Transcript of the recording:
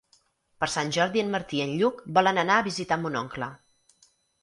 Per Sant Jordi en Martí i en Lluc volen anar a visitar mon oncle.